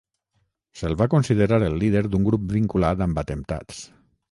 Se'l va considerar el líder d'un grup vinculat amb atemptats.